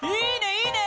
いいね！